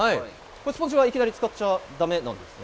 スポンジはいきなり使っちゃだめなんですね。